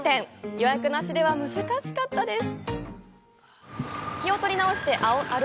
予約なしでは難しかったです。